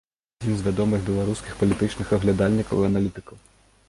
Адзін з вядомых беларускіх палітычных аглядальнікаў і аналітыкаў.